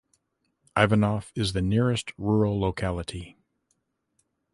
Ivanov is the nearest rural locality.